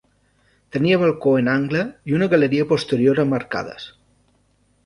Tenia balcó en angle i una galeria posterior amb arcades.